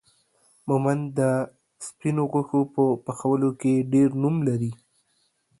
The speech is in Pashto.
مومند دا سپينو غوښو په پخولو کې ډير نوم لري